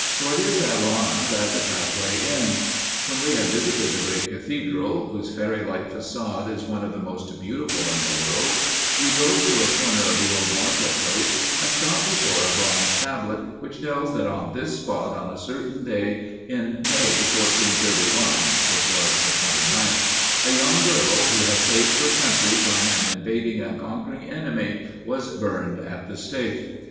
For it is at Rouen that the pathway ends. When we had visited the great cathedral, whose fairylike façade is one of the most beautiful in the world, we drove to a corner of the old market place and stopped before a bronze tablet which tells that on this spot on a certain day in May, 1431 (it was the 29th), a young girl who had saved her country from an invading and conquering enemy was burned at the stake.